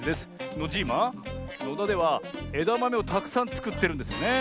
ノジーマのだではえだまめをたくさんつくってるんですよね？